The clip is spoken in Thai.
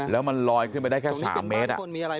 แล้วมันลอยขึ้นไปได้แค่๓เมตร